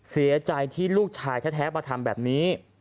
เสียใจที่ลูกชายแท้มาทำแบบนี้